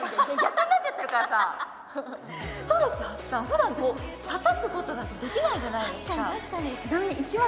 なんでふだん叩くことなんてできないじゃないですか